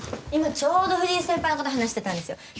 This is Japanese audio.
今ちょうど藤井先輩のこと話してたんですよ。